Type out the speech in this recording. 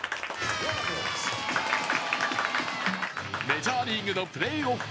メジャーリーグのプレーオフ。